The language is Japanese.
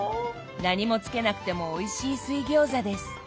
何もつけなくてもおいしい水餃子です。